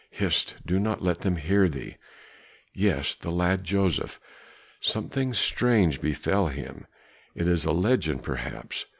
"Hist! do not let them hear thee. Yes, the lad Joseph, something strange befell him; it is a legend perhaps.